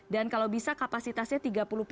dan kalau bisa kapasitasnya